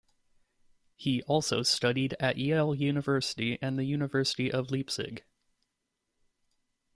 He also studied at Yale University and the University of Leipzig.